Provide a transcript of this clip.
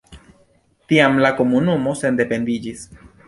Tiam la komunumo sendependiĝis.